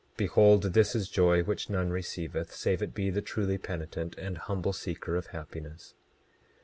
Behold, this is joy which none receiveth save it be the truly penitent and humble seeker of happiness.